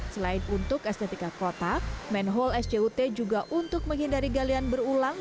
selain untuk estetika kotak manhole sjut juga untuk menghindari galian berulang